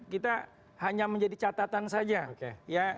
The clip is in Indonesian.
kita hanya menjadi catatan saja ya